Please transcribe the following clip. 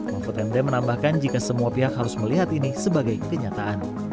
mahfud md menambahkan jika semua pihak harus melihat ini sebagai kenyataan